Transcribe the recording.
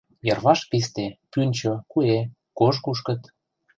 Йырваш писте, пӱнчӧ, куэ, кож кушкыт.